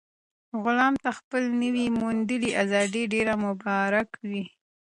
غلام ته خپله نوي موندلې ازادي ډېره مبارک وه.